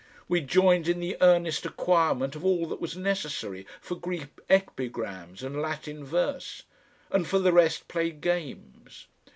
We joined in the earnest acquirement of all that was necessary for Greek epigrams and Latin verse, and for the rest played games.